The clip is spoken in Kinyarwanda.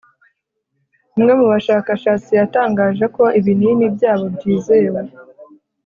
umwe mu bashakashatsi, yatangaje ko ibinini byabo byizewe